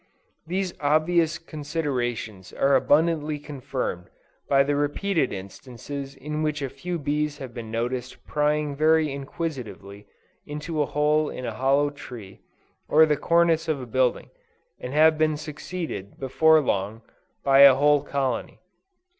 These obvious considerations are abundantly confirmed by the repeated instances in which a few bees have been noticed prying very inquisitively into a hole in a hollow tree or the cornice of a building, and have been succeeded, before long, by a whole colony.